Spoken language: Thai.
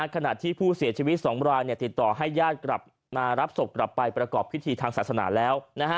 ขณะที่ผู้เสียชีวิต๒รายติดต่อให้ญาติกลับมารับศพกลับไปประกอบพิธีทางศาสนาแล้ว